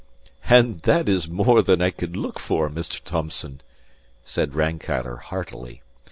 "And that is more than I could look for, Mr. Thomson," said Rankeillor, heartily.